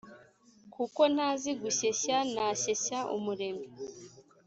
kuko ntazi gushyeshya nashyeshya umuremyi